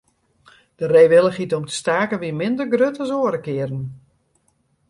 De reewillichheid om te staken wie minder grut as oare kearen.